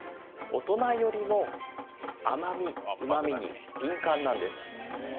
大人よりも甘味うま味に敏感なんです